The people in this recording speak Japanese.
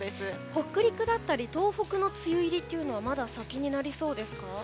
北陸だったり東北の梅雨入りはまだ先になりそうですか？